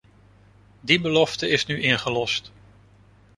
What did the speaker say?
Die belofte is nu ingelost.